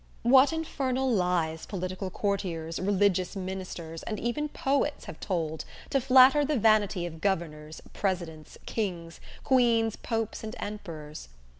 What infernal lies political courtiers, religious ministers and even poets have told to flatter the vanity of governors, presidents, kings, queens, popes and emperors!